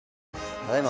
ただいま